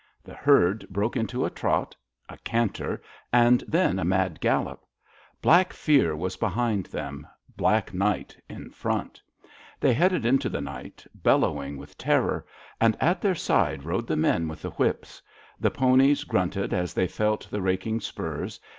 The herd broke into a trot, a canter, and then a mad gallop. Black fear was behind them, black night in front. They headed into the night, bellowing with terror; and at their side rode the men with the whips. The ponies grunted as they felt the raking spurs.